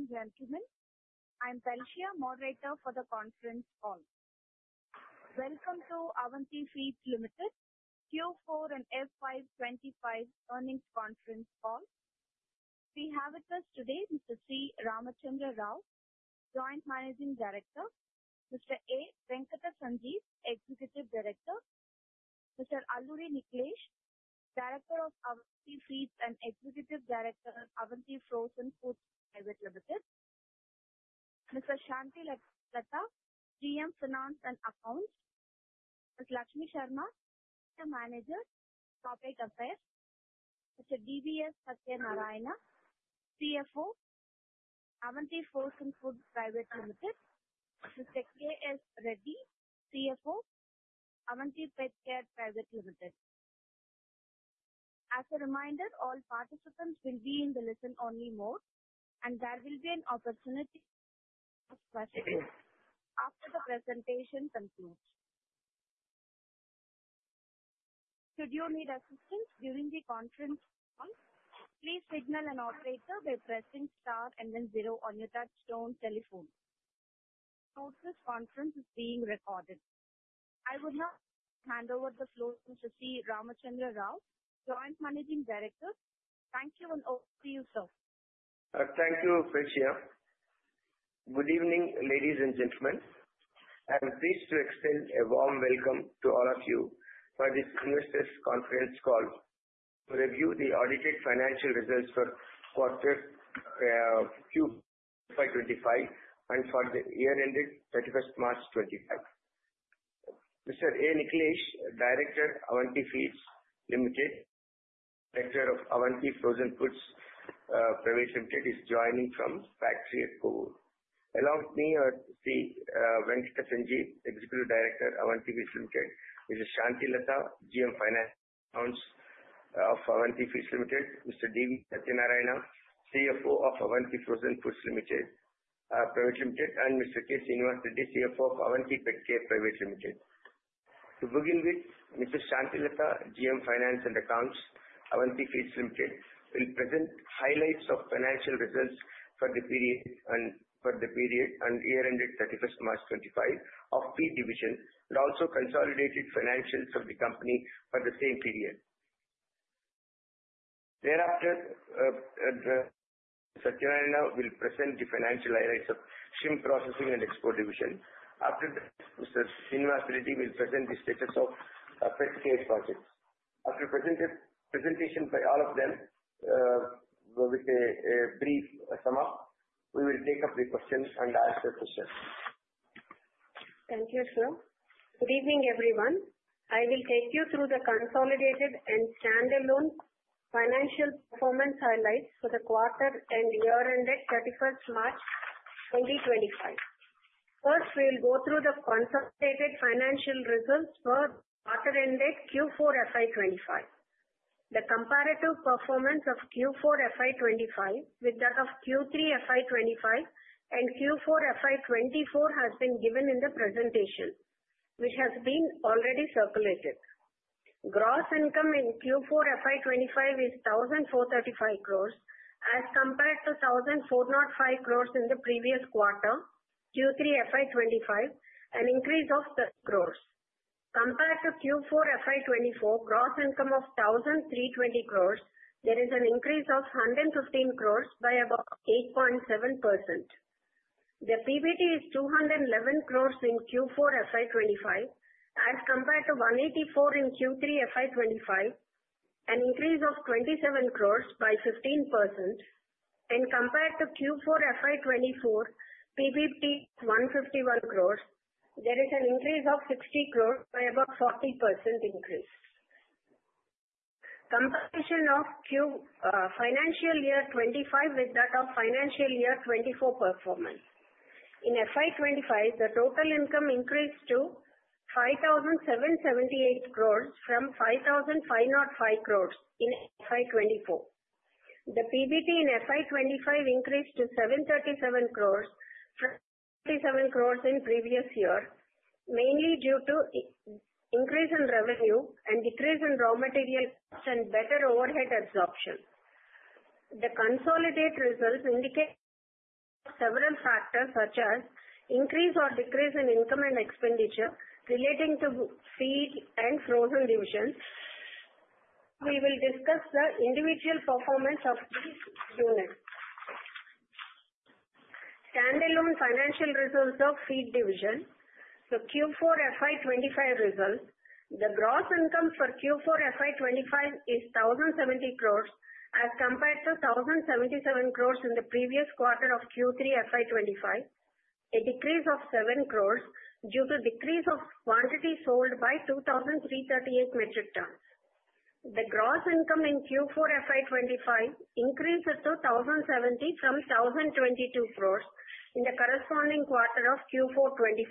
Good evening, ladies and gentlemen. I'm Felicia, moderator for the conference call. Welcome to Avanti Feeds Limited, Q4 and FY25 Earnings Conference call. We have with us today Mr. C. Ramachandra Rao, Joint Managing Director, Mr. A. Venkata Sanjeev, Executive Director, Mr. Alluri Nikhilesh, Director of Avanti Feeds and Executive Director of Avanti Frozen Foods Private Limited, Mrs. Santhi Latha, GM Finance and Accounts, Ms. Lakshmi Sharma, Manager, Corporate Affairs, Mr. DVS Satyanarayana, CFO, Avanti Frozen Foods Private Limited, Mr. K. Srinivas Reddy, CFO, Avanti Petcare Private Limited. As a reminder, all participants will be in the listen-only mode, and there will be an opportunity to ask questions after the presentation concludes. Should you need assistance during the conference call, please signal an operator by pressing star and then zero on your touch-tone telephone. Note this conference is being recorded. I would now hand over the floor to Mr. C. Ramachandra Rao, Joint Managing Director. Thank you, and over to you, sir. Thank you, Balaji. Good evening, ladies and gentlemen. I'm pleased to extend a warm welcome to all of you for this earnings conference call to review the audited financial results for Q4 2025 and for the year-ending 31st March 2025. Mr. Alluri Nikhilesh, Director of Avanti Feeds Limited, Director of Avanti Frozen Foods Private Limited, is joining from Kovvur. Along with me, Mr. A. Venkata Sanjeev, Executive Director of Avanti Feeds Limited, Mrs. Santhi Latha, GM Finance of Avanti Feeds Limited, Mr. DVS Satyanarayana, CFO of Avanti Frozen Foods Private Limited. Mr. K. Srinivas Reddy, CFO of Avanti Petcare Private Limited. To begin with, Mrs. Santhi Latha, GM Finance and Accounts of Avanti Feeds Limited, will present highlights of financial results for the period and year-ending 31st March 2025 of Feed Division, and also consolidated financials of the company for the same period. Thereafter, Mr. S. Reddy will present the financial highlights of Shrimp Processing and Export Division. After that, Mr. K. S. Reddy will present the status of petcare projects. After presentation by all of them, with a brief sum-up, we will take up the questions and answer questions. Thank you, sir. Good evening, everyone. I will take you through the consolidated and standalone financial performance highlights for the quarter and year-ending 31st March 2025. First, we'll go through the consolidated financial results for quarter-ending Q4 FY25. The comparative performance of Q4 FY25 with that of Q3 FY25 and Q4 FY24 has been given in the presentation, which has been already circulated. Gross income in Q4 FY25 is 1,435 crores as compared to 1,405 crores in the previous quarter, Q3 FY25, an increase of 30 crores. Compared to Q4 FY24, gross income of 1,320 crores, there is an increase of 115 crores by about 8.7%. The PBT is 211 crores in Q4 FY25 as compared to 184 crores in Q3/FY25, an increase of 27 crores by 15%, and compared to Q4 FY24, PBT 151 crores, there is an increase of 60 crores by about 40% increase. Comparison of financial year 2025 with that of financial year 2024 performance. In FY25, the total income increased to 5,778 crores from 5,505 crores in FY24. The PBT in FY25 increased to 737 crores from 737 crores in previous year, mainly due to increase in revenue and decrease in raw material costs and better overhead absorption. The consolidated results indicate several factors such as increase or decrease in income and expenditure relating to feed and frozen divisions. We will discuss the individual performance of these units. Standalone financial results of Feed Division. So Q4 FY25 results, the gross income for Q4 FY25 is 1,070 crores as compared to 1,077 crores in the previous quarter of Q3 FY25, a decrease of 7 crores due to decrease of quantity sold by 2,338 metric tons. The gross income in Q4 FY25 increased to 1,070 from 1,022 crores in the corresponding quarter of Q4 2024,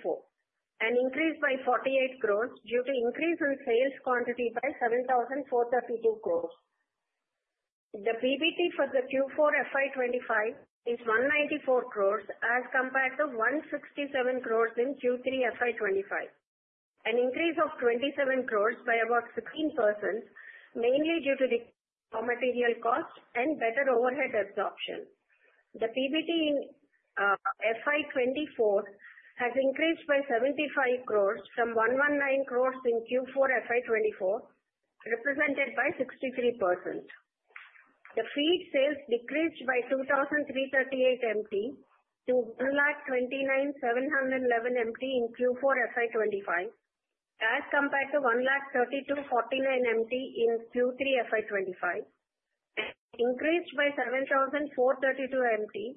an increase by 48 crores due to increase in sales quantity by 7,432 metric tons. The PBT for the Q4 FY25 is 194 crores as compared to 167 crores in Q3 FY25, an increase of 27 crores by about 16%, mainly due to the raw material cost and better overhead absorption. The PBT in FY24 has increased by 75 crores from 119 crores in Q4/FY24, represented by 63%. The feed sales decreased by 2,338 MT to 129,711 MT in Q4 FY25 as compared to 132,049 MT in Q3 FY25, and increased by 7,432 MT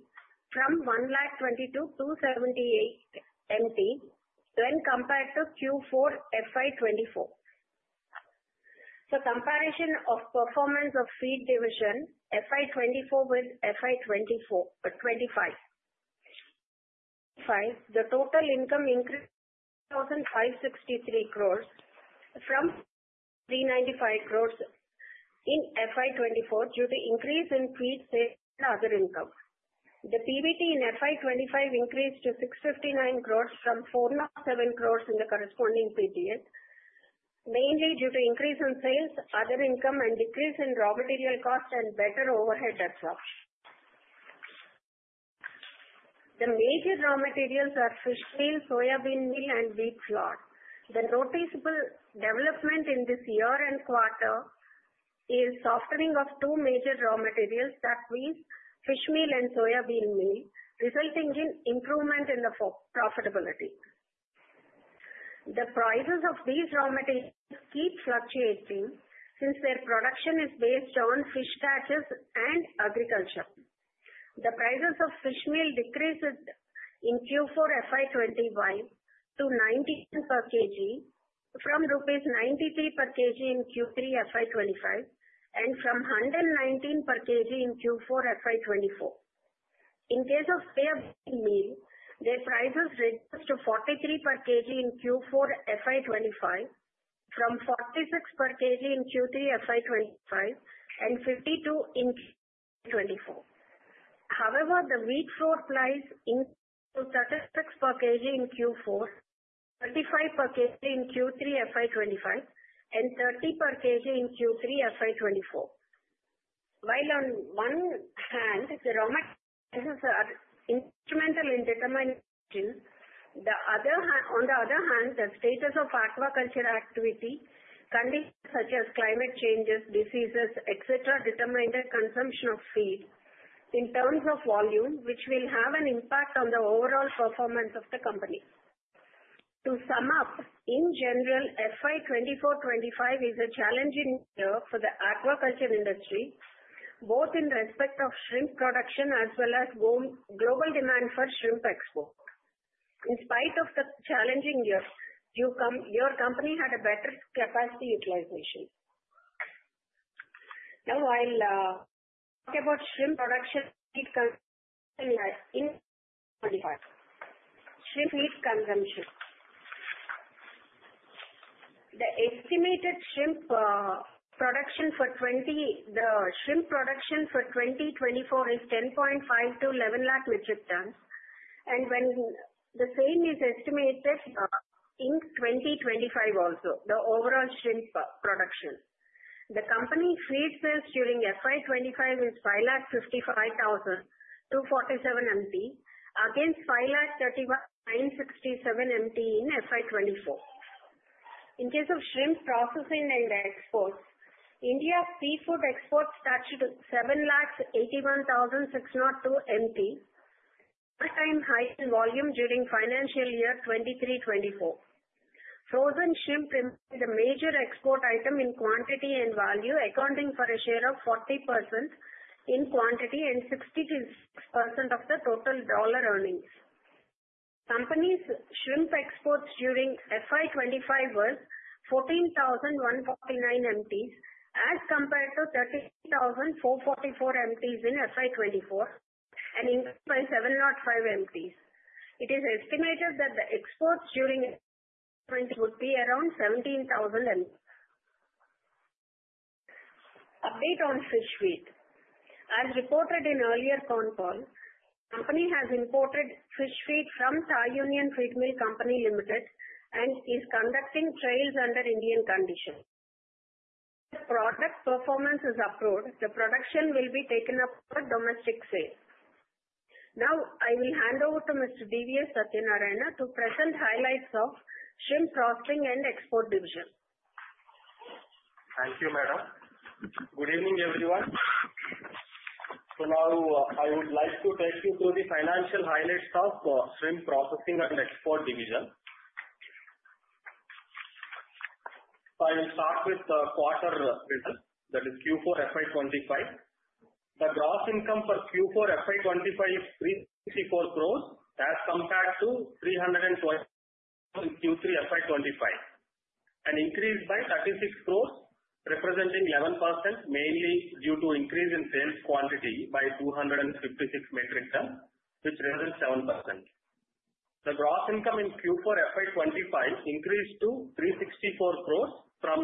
from 122,278 MT when compared to Q4 FY24. So comparison of performance of Feed Division FY24 with FY25. The total income increased to 1,563 crores from 395 crores in FY24 due to increase in feed sales and other income. The PBT in FY25 increased to 659 crores from 407 crores in the corresponding PTS, mainly due to increase in sales, other income, and decrease in raw material cost and better overhead absorption. The major raw materials are fish meal, soya bean meal, and wheat flour. The noticeable development in this year-end quarter is softening of two major raw materials that means fish meal and soya bean meal, resulting in improvement in the profitability. The prices of these raw materials keep fluctuating since their production is based on fish catches and agriculture. The prices of fish meal decreased in Q4 FY25 to 19 per kg from rupees 93 per kg in Q3 FY25 and from 119 per kg in Q4 FY24. In case of soya bean meal, their prices reduced to 43 per kg in Q4 FY25, from 46 per kg in Q3 FY25 and 52 in Q4 FY24. However, the wheat flour price increased to 36 per kg in Q4, 35 per kg in Q3 FY25, and 30 per kg in Q3 FY24. While on one hand, the raw materials are instrumental in determining the other hand, on the other hand, the status of aquaculture activity, conditions such as climate changes, diseases, etc., determine the consumption of feed in terms of volume, which will have an impact on the overall performance of the company. To sum up, in general, FY 2024 and 2025 is a challenging year for the aquaculture industry, both in respect of shrimp production as well as global demand for shrimp export. In spite of the challenging year, your company had a better capacity utilization. Now, while talking about shrimp production in 2025, shrimp meat consumption. The estimated shrimp production for 2024 is 10.5-11 lakh metric tons, and the same is estimated in 2025 also, the overall shrimp production. The company feed sales during FY25 is 555,247 MT against 531,967 MT in FY24. In case of shrimp processing and exports, India's seafood exports stood at 781,602 MT, all-time high in volume during financial year 2023 and 2024. Frozen shrimp remains the major export item in quantity and value, accounting for a share of 40% in quantity and 66% of the total dollar earnings. Company's shrimp exports during FY25 were 14,149 MT as compared to 30,444 MT in FY24 and 705 MT. It is estimated that the exports during FY25 would be around 17,000. Update on fish feed. As reported in earlier phone call, company has imported fish feed from Thai Union Feedmill Public Company Limited and is conducting trials under Indian conditions. If product performance is approved, the production will be taken up for domestic sales. Now, I will hand over to Mr. DVS Satyanarayana to present highlights of Shrimp Processing and Export Division. Thank you, madam. Good evening, everyone. So now, I would like to take you through the financial highlights of Shrimp Processing and Export Division. So I will start with the quarter result, that is Q4 FY25. The gross income for Q4 FY25 is 364 crores as compared to 312 in Q3 FY25, an increase by 36 crores, representing 11%, mainly due to increase in sales quantity by 256 metric tons, which represents 7%. The gross income in Q4 FY25 increased to 364 crores from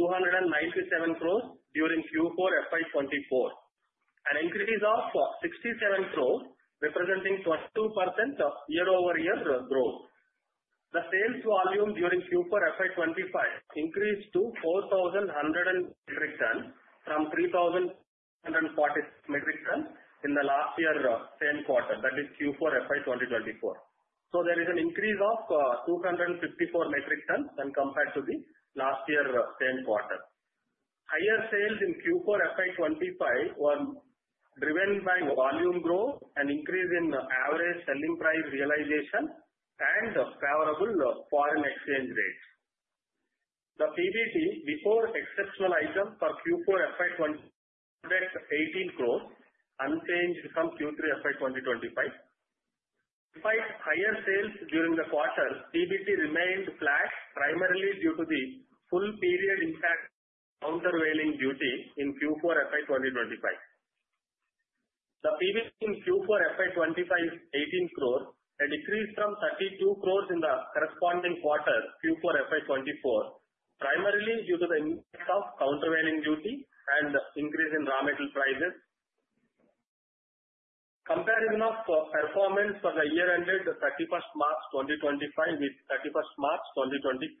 297 crores during Q4 FY24, an increase of 67 crores, representing 22% year-over-year growth. The sales volume during Q4 FY25 increased to 4,100 metric tons from 3,140 metric tons in the last year-end quarter, that is Q4 FY2024. So there is an increase of 254 metric tons when compared to the last year-end quarter. Higher sales in Q4 FY25 were driven by volume growth and increase in average selling price realization and favorable foreign exchange rates. The PBT before exceptional item for Q4 FY25 was INR 118 crores, unchanged from Q3 FY2025. Despite higher sales during the quarter, PBT remained flat primarily due to the full period-impact countervailing duty in Q4 FY2025. The PBT in Q4/FY25 was 18 crores, a decrease from 32 crores in the corresponding quarter, Q4 FY24, primarily due to the impact of countervailing duty and increase in raw material prices. Comparison of performance for the year-ended 31st March 2025 with 31st March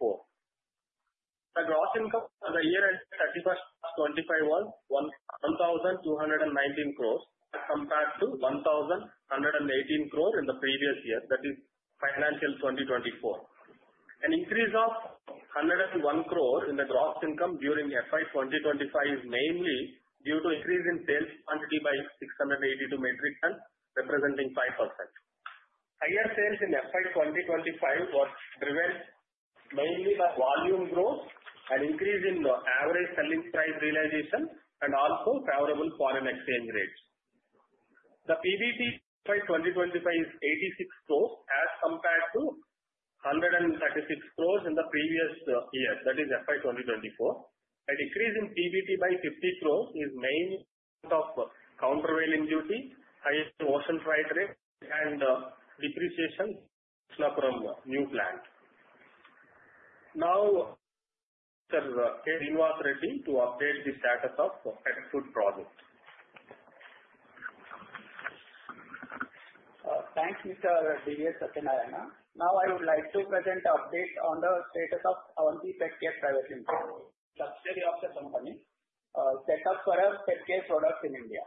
2024. The gross income for the year-ended 31st March 2025 was 1,219 crores as compared to 1,118 crores in the previous year, that is financial 2024. An increase of 101 crores in the gross income during FY2025 is mainly due to increase in sales quantity by 682 metric tons, representing 5%. Higher sales in FY2025 were driven mainly by volume growth and increase in average selling price realization and also favorable foreign exchange rates. The PBT in FY 2025 is 86 crores as compared to 136 crores in the previous year, that is FY2024. A decrease in PBT by 50 crores is mainly due to countervailing duty, higher ocean freight rate, and depreciation from new plant. Now, Mr. K. Srinivas Reddy to update the status of Pet Food Project. Thank you, Mr. DVS Satyanarayana. Now, I would like to present update on the status of Avanti Petcare Private Limited, a subsidiary of the company, set up for pet care products in India.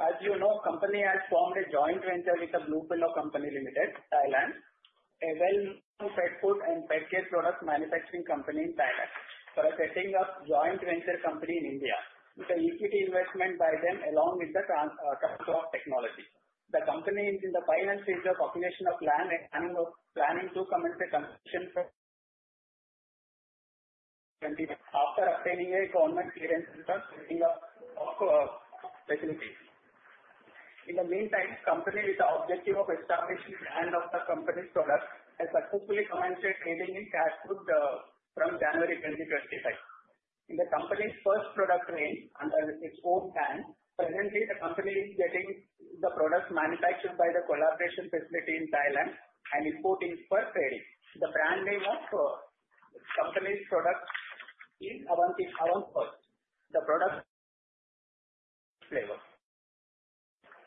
As you know, the company has formed a joint venture with Thai Union Manufacturing Co., Ltd., Thailand, a well-known pet food and pet care product manufacturing company in Thailand, for setting up a joint venture company in India. The equity investment by them along with the trust of technology. The company is in the final stage of acquisition of land and planning to commence construction after obtaining a government clearance and setting up facilities. In the meantime, the company with the objective of establishing the brand of the company's products has successfully commenced trading in cat food from January 2025. The company's first product remains under its own brand. Presently, the company is getting the products manufactured by the collaboration facility in Thailand and importing for trading. The brand name of the company's product is Avanti Feeds, the product flavor.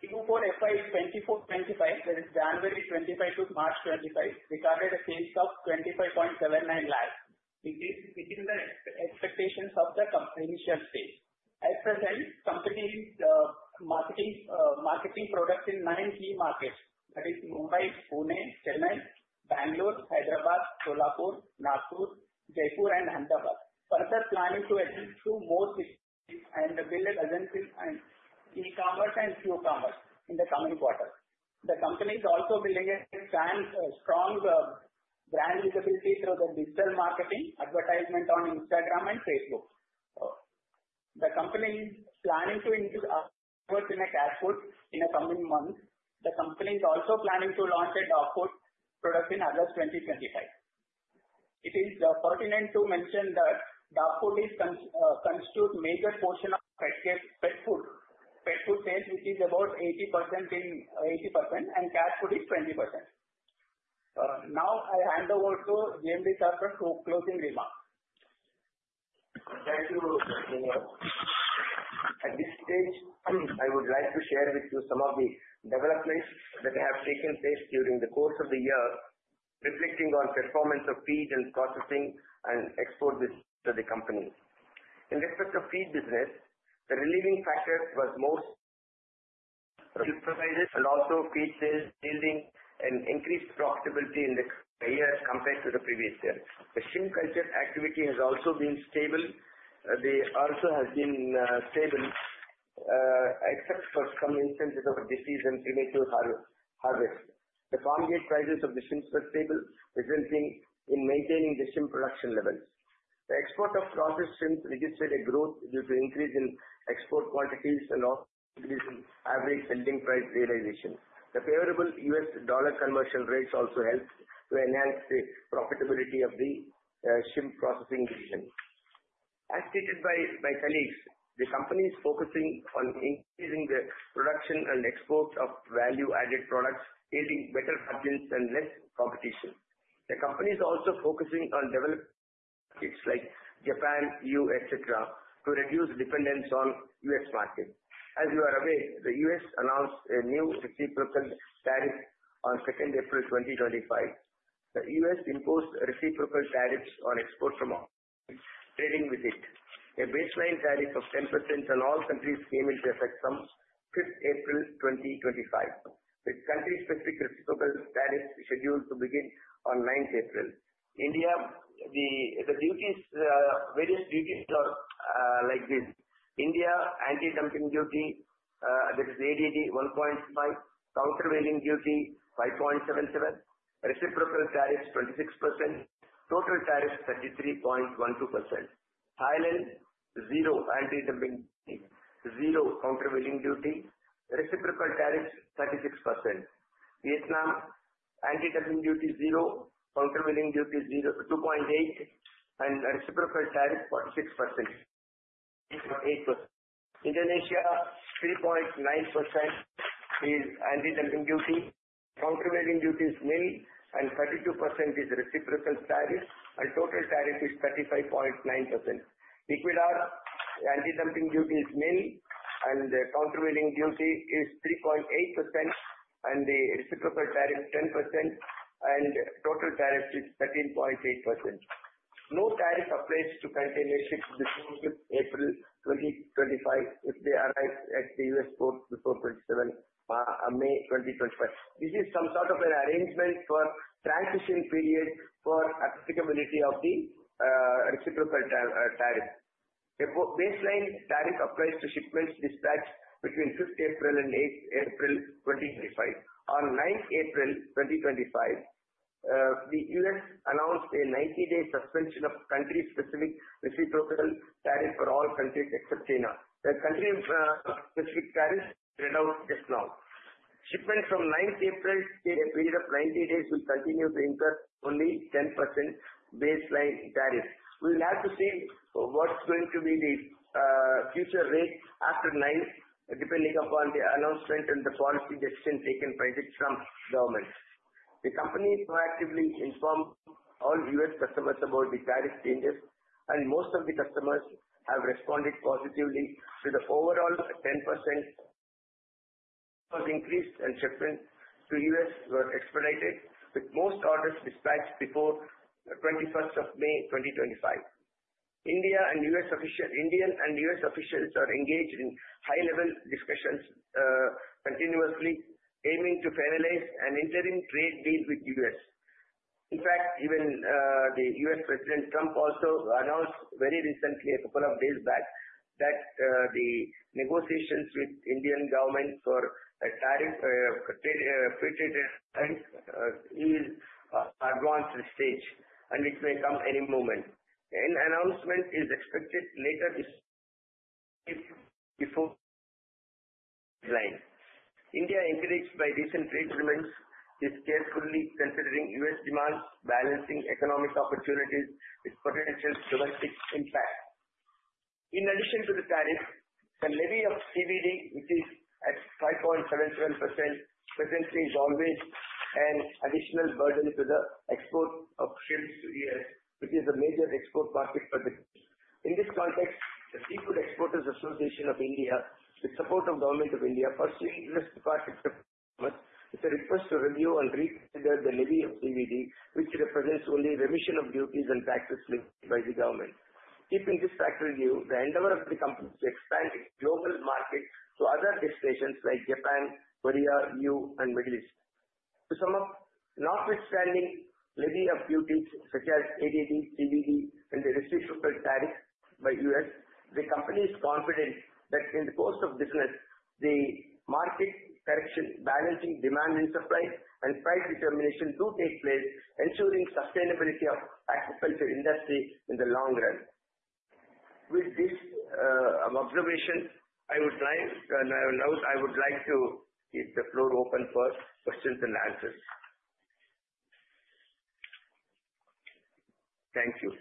Q4 FY24/25, that is January 2025 to March 2025, recorded a sales of INR 25.79 lakh, which is within the expectations of the initial sales. At present, the company is marketing products in nine key markets, that is Mumbai, Pune, Chennai, Bangalore, Hyderabad, Solapur, Nagpur, Jaipur, and Ahmedabad. Further, planning to add two more feeds and build a presence in e-commerce and Q-commerce in the coming quarter. The company is also building a strong brand visibility through digital marketing, advertisement on Instagram and Facebook. The company is planning to introduce dog food and cat food in the coming months. The company is also planning to launch a dog food product in August 2025. It is pertinent to mention that dog food constitutes a major portion of pet food sales, which is about 80%, and cat food is 20%. Now, I hand over to JMD C. Ramachandra Rao for closing remarks. Thank you, Mr. Srinivas. At this stage, I would like to share with you some of the developments that have taken place during the course of the year, reflecting on performance of feed and processing and export business to the company. In respect of feed business, the revenue factor was most significant and also feed sales building an increased profitability in the year compared to the previous year. The shrimp culture activity has also been stable. The harvest has been stable, except for some instances of disease and premature harvest. The farm-gate prices of the shrimps were stable, resulting in maintaining the shrimp production levels. The export of processed shrimps registered a growth due to increase in export quantities and also increase in average selling price realization. The favorable U.S. dollar exchange rates also helped to enhance the profitability of the shrimp processing division. As stated by colleagues, the company is focusing on increasing the production and export of value-added products, yielding better margins and less competition. The company is also focusing on developing markets like Japan, the U.S., etc., to reduce dependence on the U.S. market. As you are aware, the U.S. announced a new reciprocal tariff on 2nd April 2025. The U.S. imposed reciprocal tariffs on exports from our country trading with it. A baseline tariff of 10% on all countries came into effect from 5th April 2025. The country-specific reciprocal tariff is scheduled to begin on 9th April. India, the various duties are like this: India anti-dumping duty, that is ADD 1.5. Countervailing duty 5.77. Reciprocal tariff 26%. Total tariff 33.12%. Thailand, zero anti-dumping duty, zero countervailing duty. Reciprocal tariff 36%. Vietnam, anti-dumping duty zero, countervailing duty 2.8, and reciprocal tariff 46%. Indonesia, 3.9% is anti-dumping duty. Countervailing duty is nil. And 32% is reciprocal tariff. And total tariff is 35.9%. Ecuador, anti-dumping duty is nil. And the countervailing duty is 3.8%. And the reciprocal tariff 10%. And total tariff is 13.8%. No tariff applies to container ships before 5th April 2025 if they arrive at the US ports before 27 May 2025. This is some sort of an arrangement for transition period for applicability of the reciprocal tariff. The baseline tariff applies to shipments dispatched between 5th April and 8th April 2025. On 9th April 2025, the U.S. announced a 90-day suspension of country-specific reciprocal tariff for all countries except China. The country-specific tariffs are rolled out just now. Shipments from 9th April till a period of 90 days will continue to incur only 10% baseline tariff. We will have to see what's going to be the future rate after 9th, depending upon the announcement and the policy decision taken by the Trump government. The company proactively informed all U.S. customers about the tariff changes, and most of the customers have responded positively to the overall 10% increase in shipments to the U.S., were expedited, with most orders dispatched before 21st May 2025. India and U.S. officials are engaged in high-level discussions continuously, aiming to finalize an interim trade deal with the U.S. In fact, even the U.S. President Trump also announced very recently, a couple of days back, that the negotiations with the Indian government for free trade arrangements are advanced to the stage, and it may come any moment. An announcement is expected later this week before the deadline. India, encouraged by recent trade agreements, is carefully considering U.S. demands, balancing economic opportunities with potential domestic impacts. In addition to the tariff, the levy of CVD, which is at 5.77%, presently is always an additional burden to the export of shrimp to the U.S., which is a major export market for the country. In this context, the Seafood Exporters Association of India, with support of the Government of India, pursuing U.S. AD/CVD requirements, is a request to review and reconsider the levy of CVD, which represents only remission of duties and taxes paid by the government. Keeping this factor in view, the endeavor of the company is to expand its global market to other destinations like Japan, Korea, the U.S., and the Middle East. To sum up, notwithstanding the levy of duties such as ADD, CVD, and the reciprocal tariffs by the U.S., the company is confident that in the course of business, the market correction, balancing demand and supply, and price determination do take place, ensuring sustainability of the aquaculture industry in the long run. With this observation, I would like to keep the floor open for questions and answers. Thank you.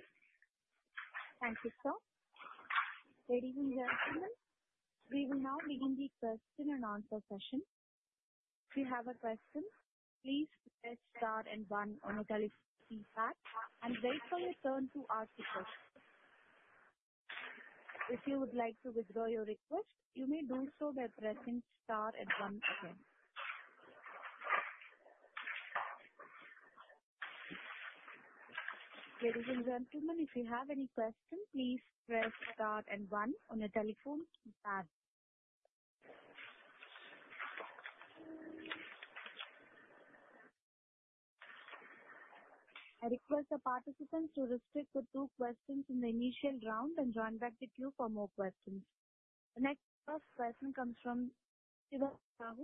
Thank you, sir. Ladies and gentlemen, we will now begin the question and answer session. If you have a question, please press star and one on the telephone keypad and wait for your turn to ask the question. If you would like to withdraw your request, you may do so by pressing star and one again. Ladies and gentlemen, if you have any questions, please press star and one on the telephone keypad. I request the participants to restrict to two questions in the initial round and join back to queue for more questions. The first question comes from Srinivas Rao,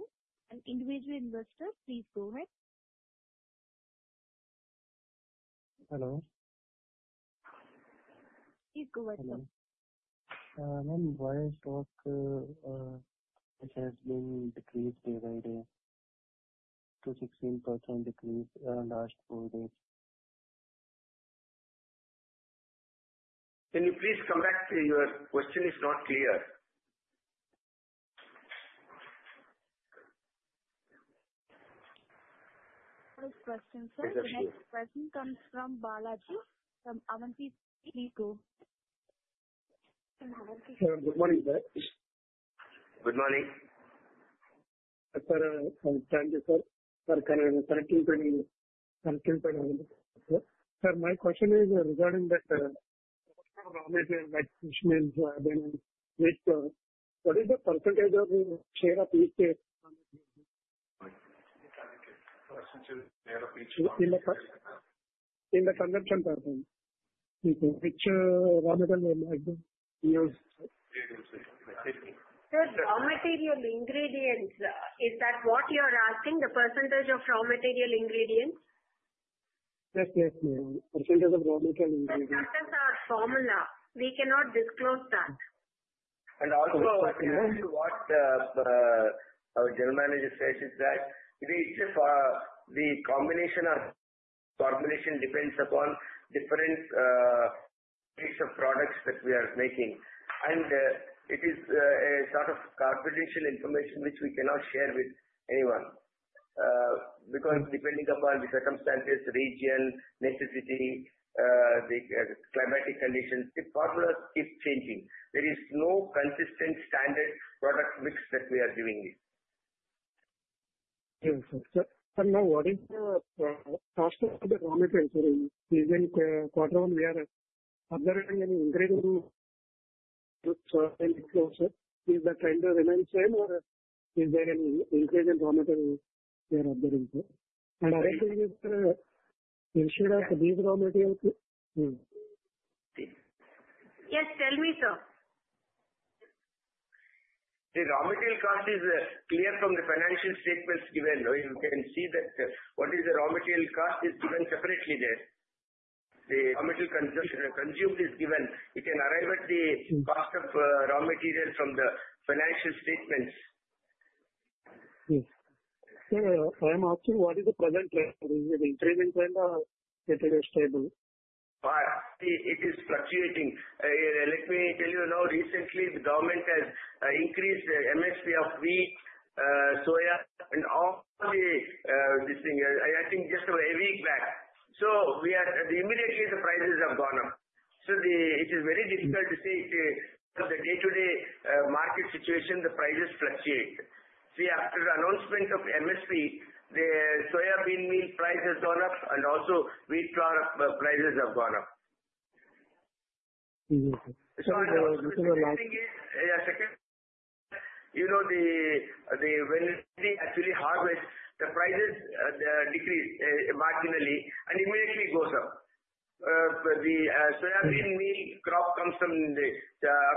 an individual investor. Please go ahead. Hello. Please go ahead, sir. Ma'am, why is stock? It has been decreased day by day, up to 16% decrease around the last four days. Can you please come back to your question? It's not clear. What is the question, sir? Yes, please. The next question comes from Balaji from [Avanti Feeds]. Please go. Good morning, sir. Good morning. Sir, thank you, sir. For 1720, 1720. Sir, my question is regarding that raw material that which means with what is the percentage of share of each? In the consumption pattern, which raw material is used? Sir, raw material ingredients, is that what you are asking? The percentage of raw material ingredients? Yes, yes, ma'am. Percentage of raw material ingredients. That is our formula. We cannot disclose that. And also, what our general manager says is that the combination of formulation depends upon different types of products that we are making. And it is a sort of confidential information which we cannot share with anyone because depending upon the circumstances, region, necessity, the climatic conditions, the formulas keep changing. There is no consistent standard product mix that we are giving you. Yes, sir. Sir, ma'am, what is the cost of the raw material? In quarter one, we are observing any increase in the raw material, sir. Is that kind of the same or is there any increase in raw material we are observing, sir? And are you sure of these raw materials? Yes, tell me, sir. The raw material cost is clear from the financial statements given. You can see that what is the raw material cost is given separately there. The raw material consumed is given. You can arrive at the cost of raw material from the financial statements. Yes. Sir, I am asking, what is the present rate? Is it increasing trend or is it stable? It is fluctuating. Let me tell you, now recently, the government has increased the MSP of wheat, soya, and all the things. I think just a week back, so immediately, the prices have gone up, so it is very difficult to say. The day-to-day market situation, the prices fluctuate. See, after the announcement of MSP, the soya bean meal price has gone up, and also wheat flour prices have gone up. Yes, sir. So what I'm saying is, yes, sir. You know, when we actually harvest, the prices decrease marginally and immediately go up. The soya bean meal crop comes from the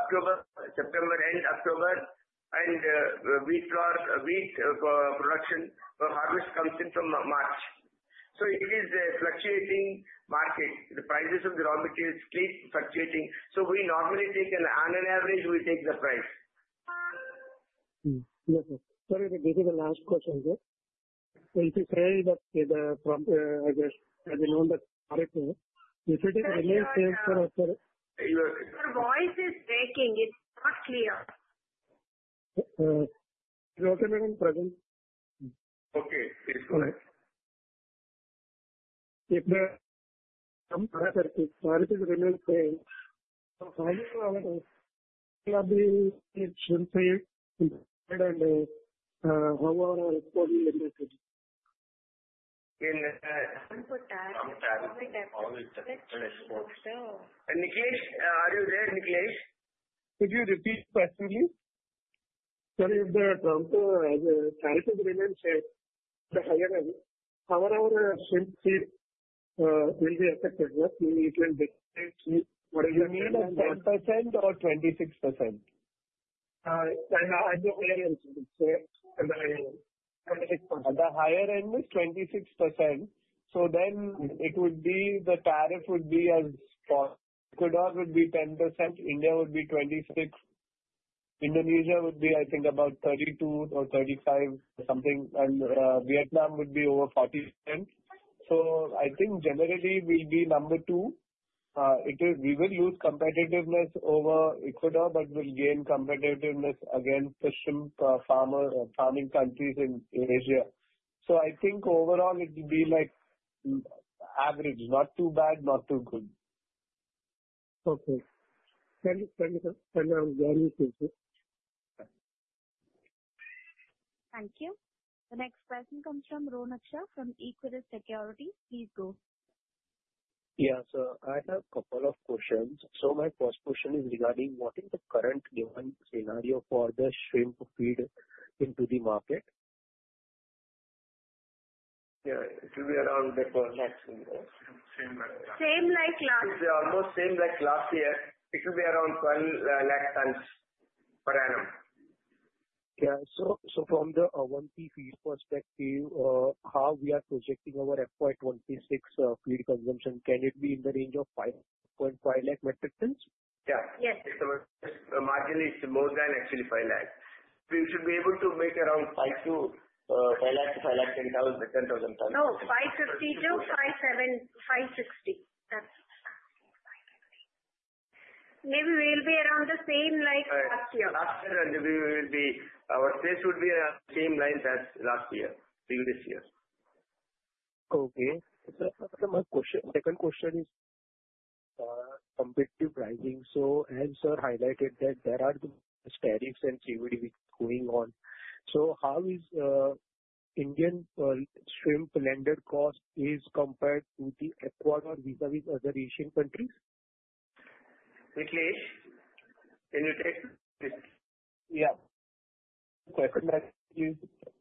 October, September, end October, and wheat production or harvest comes in from March. So it is a fluctuating market. The prices of the raw materials keep fluctuating. So we normally take an on average, we take the price. Yes, sir. Sorry, but this is the last question, sir. It is said that the, as you know, that tariff, if it remains the same, sir. Your voice is breaking. It's not clear. You're okay, ma'am, present? Okay. All right. If the tariff remains the same, how will the tariff be shown and how are our exports limited? In. Some for tariff. Some tariff. All is affected export. Nikhilesh, are you there, Nikhilesh? Could you repeat question, please? Sorry, if the tariff remains the higher end, how are our shrimp feeds will be affected? What do you mean by 26% or 26%? And the higher end is 26%. So then it would be the tariff would be as Ecuador would be 10%, India would be 26%, Indonesia would be, I think, about 32 or 35 something, and Vietnam would be over 40%. So I think generally we'll be number two. We will lose competitiveness over Ecuador, but we'll gain competitiveness against the shrimp farming countries in Asia. So I think overall it will be like average, not too bad, not too good. Okay. Thank you, sir. And I'm joining too. Thank you. The next question comes from Ronak Shah from Equirus Securities. Please go. Yeah, sir, I have a couple of questions. So my first question is regarding what is the current given scenario for the shrimp feed into the market? Yeah, it will be around the same like last year. It will be around 12 lakh tons per annum. Yeah. So from the Avanti Feeds perspective, how we are projecting our FY 2026 feed consumption, can it be in the range of 5.5 lakh metric tons? Yeah. Yes. Marginally more than actualy 5 lakh. We should be able to make around five to 5 lakh to 5 lakh 10,000 tons. No, 550 to 560. Maybe we'll be around the same like last year. Last year, maybe we will be our taste would be around the same line as last year, previous year. Okay. So my second question is competitive pricing. So as sir highlighted that there are tariffs and CVD going on. So how is Indian shrimp landed cost compared to Ecuador vis-a-vis other Asian countries? Nikhilesh, can you take this? Yeah. Question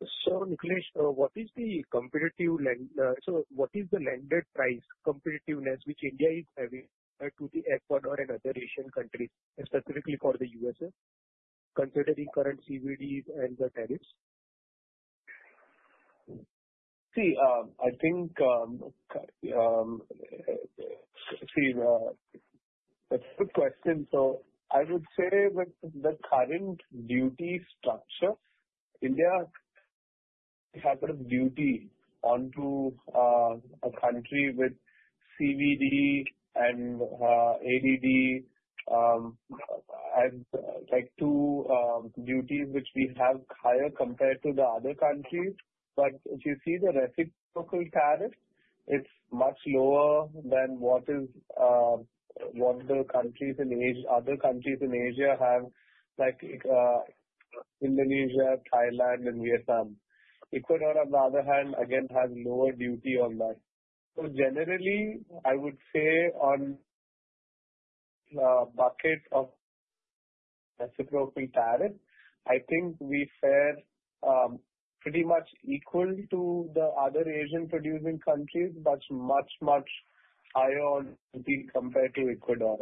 is, Sir, Nikhilesh, what is the competitive landed? So what is the landed price competitiveness which India is having to Ecuador and other Asian countries, specifically for the US, considering current CVD and the tariffs? See, I think that's a good question. So I would say that the current duty structure, India has a duty onto a country with CVD and ADD, like two duties which we have higher compared to the other countries. But if you see the reciprocal tariff, it's much lower than what other countries in Asia have, like Indonesia, Thailand, and Vietnam. Ecuador, on the other hand, again, has lower duty on that. So generally, I would say on the bracket of reciprocal tariff, I think we fare pretty much equal to the other Asian producing countries, but much, much higher compared to Ecuador.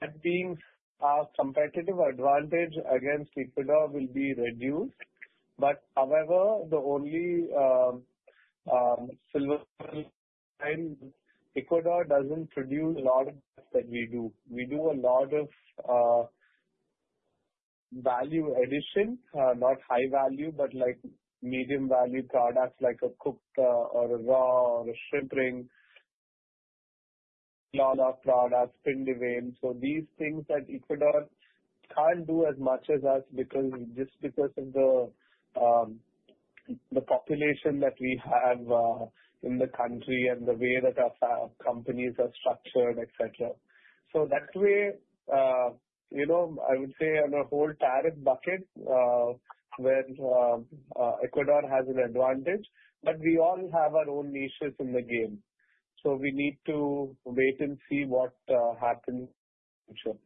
That being, our competitive advantage against Ecuador will be reduced, but however, the only silver lining, Ecuador doesn't produce a lot of that we do. We do a lot of value addition, not high value, but like medium value products like a cooked or a raw or a shrimp ring, lot of products, P&D, ball. So these things that Ecuador can't do as much as us just because of the population that we have in the country and the way that our companies are structured, etc., so that way, I would say on the whole tariff bucket, Ecuador has an advantage, but we all have our own niches in the game, so we need to wait and see what happens in the future.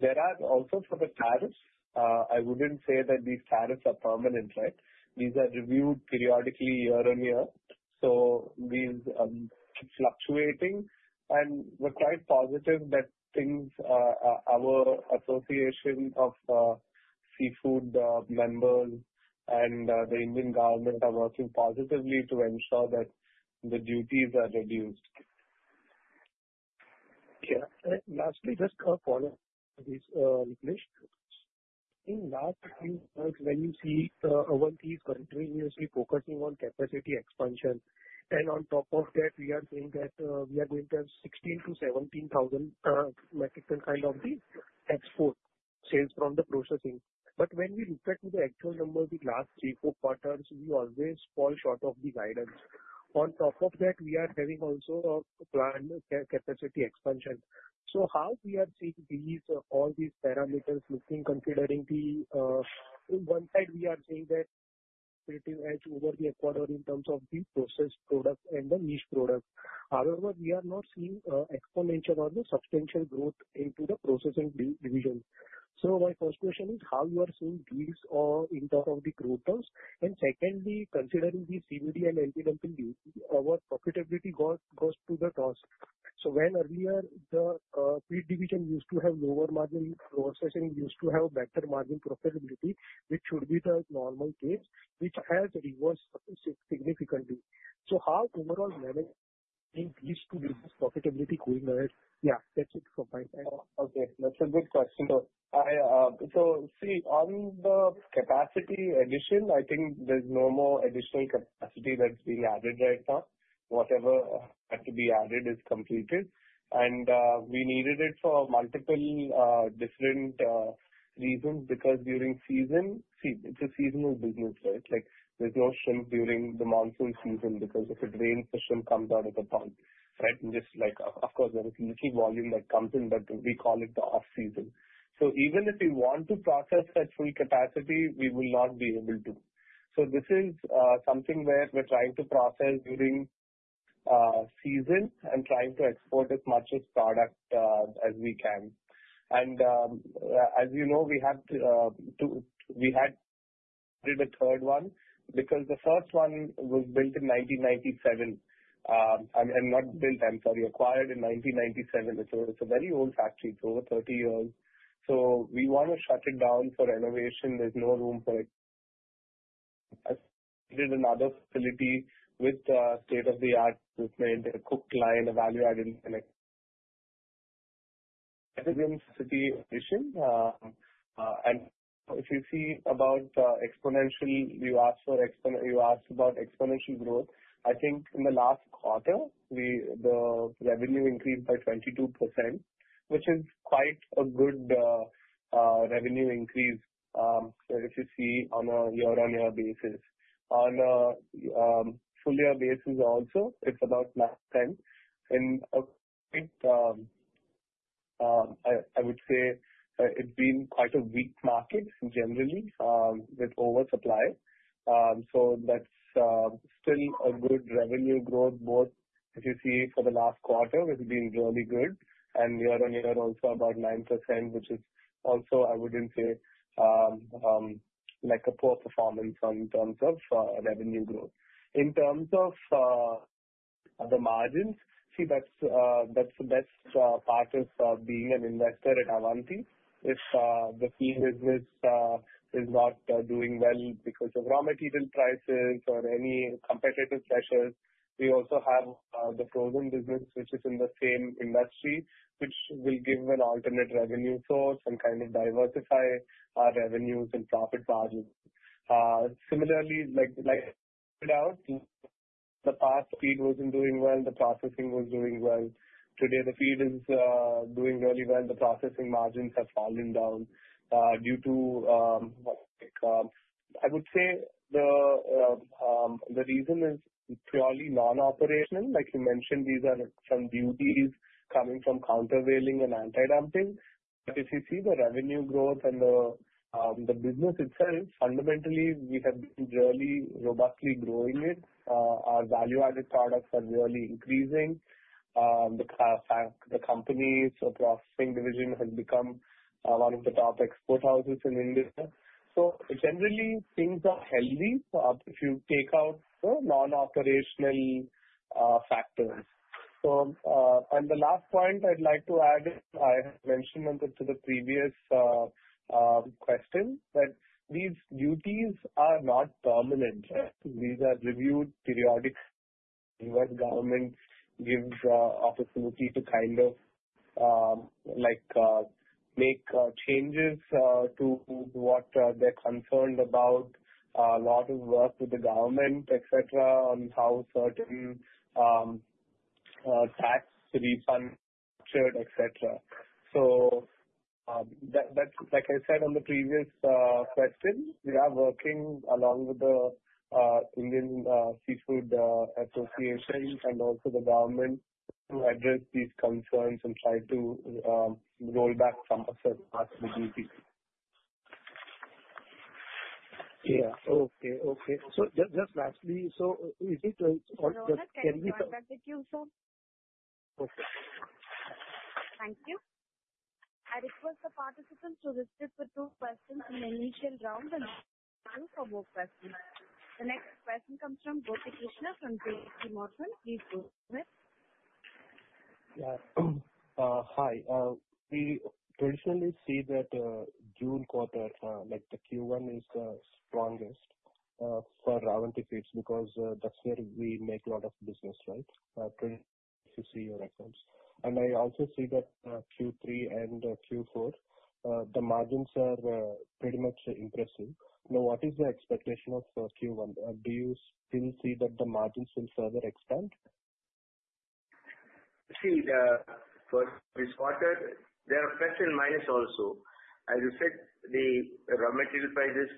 There are also for the tariffs, I wouldn't say that these tariffs are permanent, right? These are reviewed periodically year on year, so these are fluctuating. We're quite positive that things. Our association of seafood members and the Indian government are working positively to ensure that the duties are reduced. Yeah. Lastly, just a follow-up, Nikhilesh. In last few months, when you see Avanti's continuously focusing on capacity expansion, and on top of that, we are saying that we are going to have 16,000-17,000 metric ton kind of the export sales from the processing. But when we look at the actual numbers with last three, four quarters, we always fall short of the guidance. On top of that, we are having also a planned capacity expansion. So how we are seeing all these parameters looking considering the one side we are seeing that competitive edge over Ecuador in terms of the processed product and the niche product. However, we are not seeing exponential or the substantial growth into the processing division. So my first question is, how are you seeing deals in terms of the metric tons? And secondly, considering the CVD and ADD duty, our profitability goes to the toss. So when earlier the feed division used to have lower margin processing, used to have better margin profitability, which should be the normal case, which has reversed significantly. So how overall manage these two business profitability going ahead? Yeah, that's it from my side. Okay. That's a good question. So see, on the capacity addition, I think there's no more additional capacity that's being added right now. Whatever had to be added is completed. And we needed it for multiple different reasons because during season, it's a seasonal business, right? There's no shrimp during the monsoon season because if it rains, the shrimp comes out of the pond, right? Just like, of course, there is leakage volume that comes in, but we call it the off-season. Even if we want to process at full capacity, we will not be able to. This is something where we're trying to process during season and trying to export as much of product as we can. As you know, we had a third one because the first one was built in 1997. I'm not built, I'm sorry, acquired in 1997. It's a very old factory, it's over 30 years. We want to shut it down for renovation. There's no room for it. We did another facility with state-of-the-art equipment, a cooked line, a value-added concept. If you see about exponential, you asked about exponential growth. I think in the last quarter, the revenue increased by 22%, which is quite a good revenue increase if you see on a year-on-year basis. On a full-year basis also, it's about 10%, and I would say it's been quite a weak market generally with oversupply, so that's still a good revenue growth, both if you see for the last quarter, it's been really good, and year-on-year also about 9%, which is also, I wouldn't say, like a poor performance in terms of revenue growth. In terms of the margins, see, that's the best part of being an investor at Avanti. If the feed business is not doing well because of raw material prices or any competitive pressures, we also have the frozen business, which is in the same industry, which will give an alternate revenue source and kind of diversify our revenues and profit margins. Similarly, like I pointed out, the past feed wasn't doing well, the processing was doing well. Today, the feed is doing really well, the processing margins have fallen down due to, I would say, the reason is purely non-operational. Like you mentioned, these are some duties coming from countervailing and anti-dumping. But if you see the revenue growth and the business itself, fundamentally, we have been really robustly growing it. Our value-added products are really increasing. The company's processing division has become one of the top export houses in India. So generally, things are healthy if you take out the non-operational factors. And the last point I'd like to add, I have mentioned on the previous question that these duties are not permanent. These are reviewed periodically. U.S. government gives opportunity to kind of make changes to what they're concerned about, a lot of work with the government, etc., on how certain tax refunds are structured, etc. So like I said on the previous question, we are working along with the Seafood Exporters Association of India and also the government to address these concerns and try to roll back some of the possible duties. Yeah. Okay. Okay. So just lastly, so is it just can we? No, that's it. I'll end with you, sir. Okay. Thank you. I request the participants to listen for two questions in the initial round and then for more questions. The next question comes from Gopi Krishna from J.P. Morgan. Please go ahead. Yeah. Hi. We traditionally see that June quarter, like the Q1 is the strongest for Avanti Feeds because that's where we make a lot of business, right? If you see your accounts, and I also see that Q3 and Q4, the margins are pretty much impressive. Now, what is the expectation of Q1? Do you still see that the margins will further expand? See, for this quarter, there are plus and minus also. As you said, the raw material prices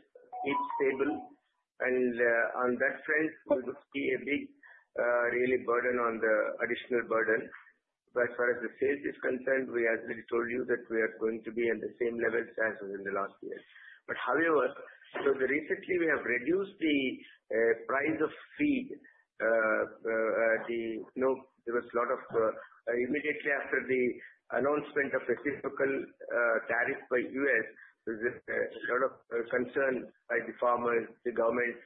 keep stable. And on that front, we don't see a big really burden on the additional burden. But as far as the sales is concerned, we, as we told you, that we are going to be at the same level as in the last year. But however, so recently, we have reduced the price of feed. No, there was a lot of immediately after the announcement of the typical tariff by U.S., there's a lot of concern by the farmers, the government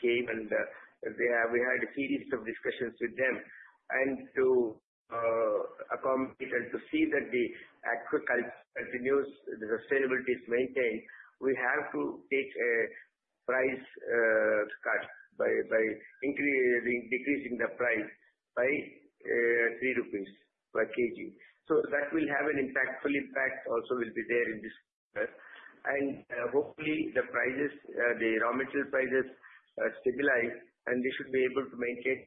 came and we had a series of discussions with them. And to accommodate and to see that the agriculture continues, the sustainability is maintained, we have to take a price cut by decreasing the price by 3 rupees per kg. So that will have an impact. Full impact also will be there in this quarter. And hopefully, the prices, the raw material prices stabilize, and they should be able to maintain